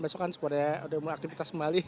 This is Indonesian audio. besok kan sempat ya udah mulai aktivitas kembali